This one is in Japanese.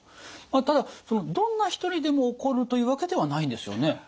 ただどんな人にでも起こるというわけではないんですよね？